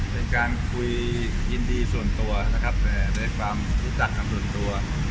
เป็นการคุยยินดีส่วนตัวนะครับแต่ในความรู้จักกันส่วนตัว